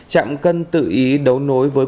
trạm cân tự ý đấu nối với